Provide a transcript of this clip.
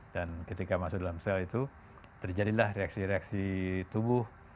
dan ketika masuk ke dalam sel itu terjadilah reaksi reaksi tubuh